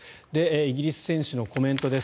イギリス選手のコメントです。